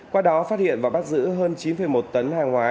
qua đó phát hiện và bắt giữ hơn chín một tấn hàng hóa